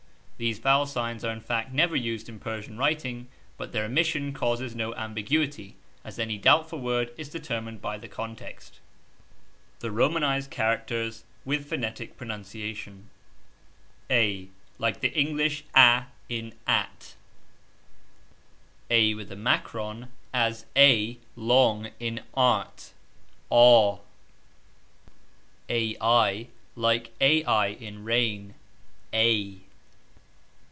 These vowel signs are in fact never used in Persian writing, but their omission causes no ambiguity, as any doubtful word is determined by the context. 11 THE ROMANIZED CHARACTERS, WITH PHONETIC PRONUNCIATION. PRONUNCIATION. Phonetics used. Like the English a in at ......... As a long in art ............ Like ai in 'rain ......